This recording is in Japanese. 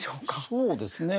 そうですね。